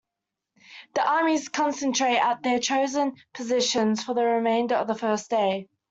The armies concentrate at their chosen positions for the remainder of the first day.